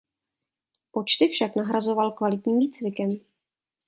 Počty však nahrazoval kvalitním výcvikem.